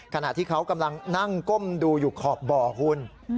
ขณะที่เขากำลังนั่งก้มดูอยู่ขอบบ่อคุณ